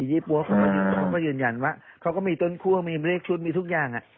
ี่ปั๊วเขาก็ยืนยันว่าเขาก็มีต้นคั่วมีเลขชุดมีทุกอย่าง